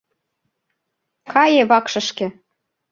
Кае вакшышке!